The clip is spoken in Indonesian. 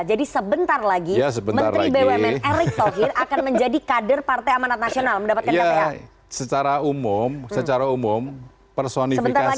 jadi sebentar lagi menteri bumn erik thohir akan menjadi kader partai amanat nasional mendapatkan kta